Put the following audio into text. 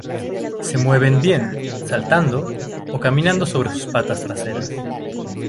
Se mueven bien, saltando, o caminando sobre sus patas traseras.